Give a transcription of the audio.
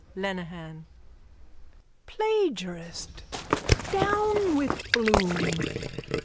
_ LENEHAN: Plagiarist! Down with Bloom!